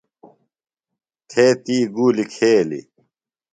تھے تی گولی کھیلی۔